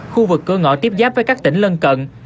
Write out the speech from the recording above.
khu vực cửa ngõ tiếp giáp với các tỉnh lân cận